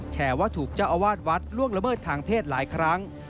แชร์ว่าถูกเจ้าอาวาสวัดล่วงละเมิดทางเพศหลายครั้ง